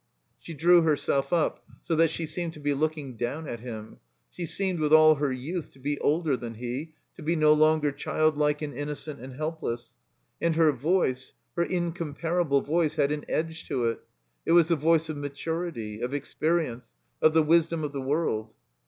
She drew herself up, so that she seemed to be look ing down at him ; she seemed, with all her youth, to be older than he, to be no longer childlike and inno cent and helpless. And her voice, her incomparable voice, had an edge to it; it was the voice of maturity, of experience, of the wisdom of the world.